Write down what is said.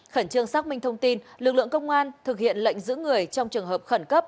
khẩn trương xác minh thông tin lực lượng công an thực hiện lệnh giữ người trong trường hợp khẩn cấp